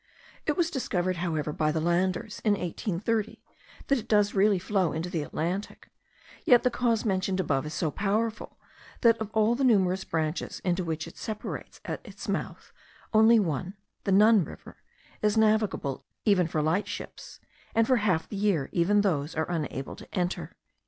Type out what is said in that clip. It was discovered, however, by the Landers, in 1830, that it does really flow into the Atlantic; yet the cause mentioned above is so powerful, that of all the numerous branches into which it separates at its mouth, only one (the Nun River) is navigable even for light ships, and for half the year even those are unable to enter.)